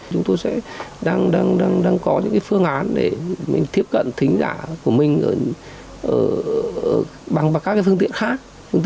chúng tôi sẽ đang có những phương án để tiếp cận thính giả của mình bằng các phương tiện khác